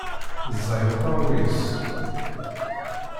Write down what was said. Ẓẓay uqerruy-is.